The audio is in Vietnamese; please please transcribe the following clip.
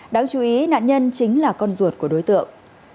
đáng chú ý nạn nhân chính là con ruột của đối tượng